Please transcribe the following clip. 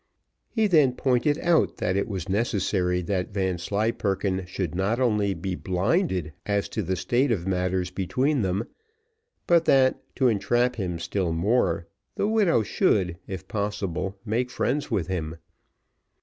He then pointed out that it was necessary that Vanslyperken should not only be blinded as to the state of matters between them, but that, to entrap him still more, the widow should, if possible, make friends with him.